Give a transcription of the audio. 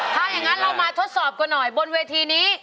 ถ้าอย่างนั้นเรามาทดสอบกันหน่อยบนเวทีนี้